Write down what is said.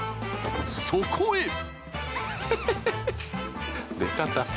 ［そこへ］